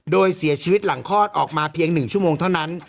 โดยเสียชีวิตหลังคลอดออกมาเพียง๑ชั่วโมงเท่านั้น